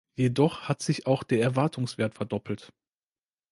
Jedoch hat sich auch der Erwartungswert verdoppelt.